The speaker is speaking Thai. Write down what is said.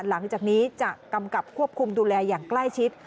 หลังจากนี้จะกำกับควบคุมดูแลอย่างใกล้ชิด